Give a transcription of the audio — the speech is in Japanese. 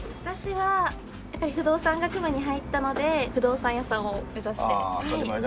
私はやっぱり不動産学部に入ったので不動産屋さんを目指して。